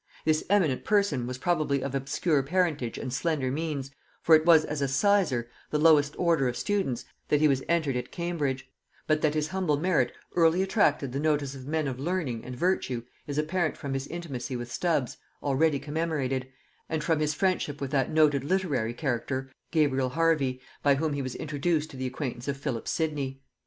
This eminent person was probably of obscure parentage and slender means, for it was as a sizer, the lowest order of students, that he was entered at Cambridge; but that his humble merit early attracted the notice of men of learning and virtue is apparent from his intimacy with Stubbs, already commemorated, and from his friendship with that noted literary character Gabriel Hervey, by whom he was introduced to the acquaintance of Philip Sidney.